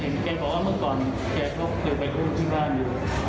แกบอกว่าเมื่อก่อนแกก็เคยไปร่วมที่บ้านอยู่